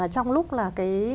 trong lúc là cái